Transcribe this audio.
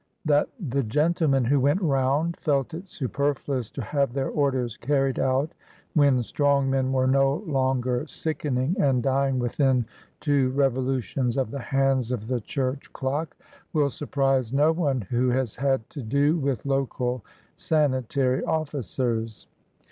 That "the gentlemen who went round" felt it superfluous to have their orders carried out when strong men were no longer sickening and dying within two revolutions of the hands of the church clock will surprise no one who has had to do with local sanitary officers.